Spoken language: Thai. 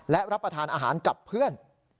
และรับประทานอาหารกับเพื่อน